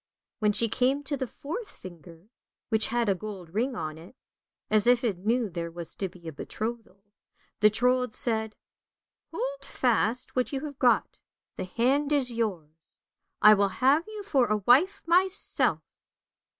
When she came to the fourth finger, which had a gold ring on it, as if it knew there was to be a betrothal, the Trold said, " Hold fast what you have got, the hand is yours, I will have you for a wife myself!